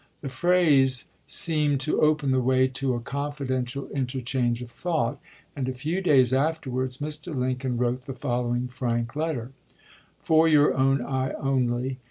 The phrase seemed to open the way to a confidential interchange of thought; and a few days afterwards Mr. Lincoln wrote the following frank letter : For your own eye only.